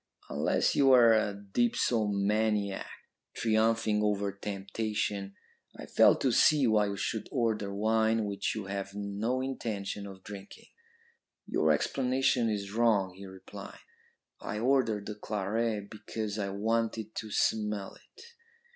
Unless you are a dipsomaniac, triumphing over temptation, I fail to see why you should order wine which you have no intention of drinking.' "'Your explanation is wrong,' he replied. 'I ordered the claret because I wanted to smell it.'